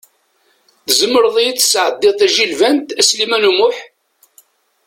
Tzemreḍ i yi-d-tesɛeddiḍ tajilbant, a Sliman U Muḥ?